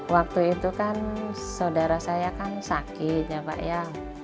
waktu itu kan saudara saya kan sakit ya pak ya